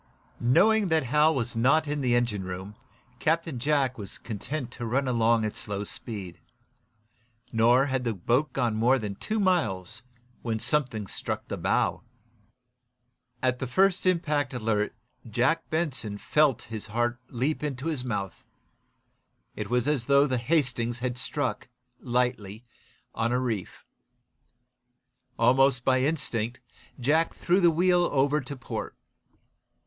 Knowing that Hal was not in the engine room, Captain Jack was content to run along at slow speed. Nor had the boat gone more than two miles when something struck the bow. At the first impact alert Jack Benson felt his heart leap into his mouth. It was as though the "Hastings" had struck, lightly, on a reef. Almost by instinct Jack threw the wheel over to port.